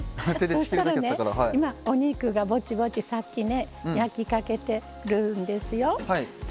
そしたら、お肉がぼちぼちさっきね、焼きかけてるんですよ。